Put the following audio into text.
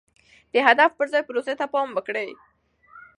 د هدف پر ځای پروسې ته پام وکړئ.